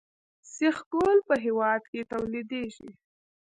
سیخ ګول په هیواد کې تولیدیږي